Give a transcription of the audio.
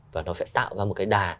và nó sẽ tạo ra một đà